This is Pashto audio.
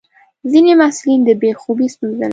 ځینې محصلین د بې خوبي ستونزه لري.